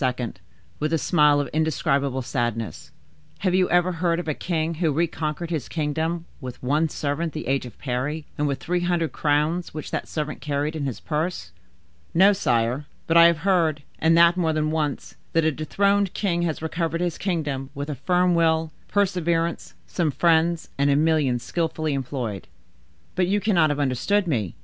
with a smile of indescribable sadness, "have you ever heard of a king who reconquered his kingdom with one servant the age of Parry, and with three hundred crowns which that servant carried in his purse?" "No, sire; but I have heard—and that more than once—that a dethroned king has recovered his kingdom with a firm will, perseverance, some friends, and a million skillfully employed." "But you cannot have understood me.